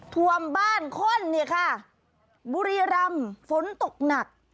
ถวมบ้านข้นบุรีรำฝนตกหนัก